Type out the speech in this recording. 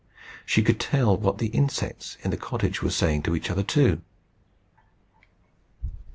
She could tell what the insects in the cottage were saying to each other too.